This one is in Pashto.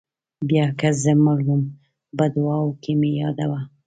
بیا که زه مړ وم په دعاوو کې مې یادوه.